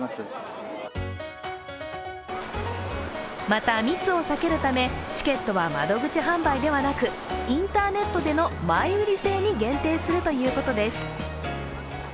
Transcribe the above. また、密を避けるため、チケットは窓口販売ではなく、インターネットでの前売り制に限定するということです。